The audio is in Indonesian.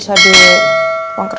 ya udah deh